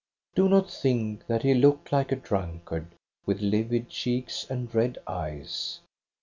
"Do not think that he looked like a drunkard, with livid cheeks and red eyes.